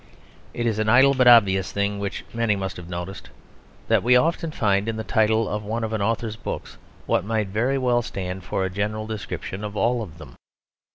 It is an idle but obvious thing, which many must have noticed, that we often find in the title of one of an author's books what might very well stand for a general description of all of them.